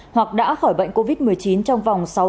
hoặc đã khỏi bệnh covid một mươi chín trong vòng sáu giờ